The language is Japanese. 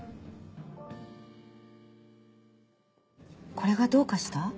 これがどうかした？